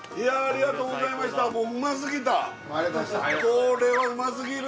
これはうますぎる！